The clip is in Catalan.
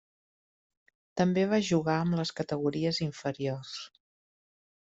També va jugar amb les categories inferiors.